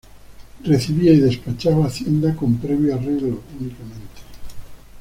Recibía y despachaba hacienda con previo arreglo únicamente.